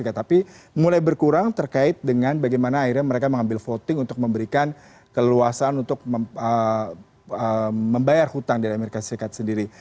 tapi mulai berkurang terkait dengan bagaimana akhirnya mereka mengambil voting untuk memberikan keluasan untuk membayar hutang di amerika serikat sendiri